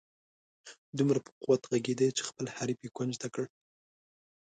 دومره په قوت ږغېده چې خپل حریف یې کونج ته کړ.